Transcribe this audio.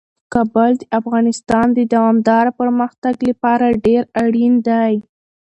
کابل د افغانستان د دوامداره پرمختګ لپاره ډیر اړین دی.